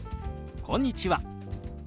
「こんにちは」。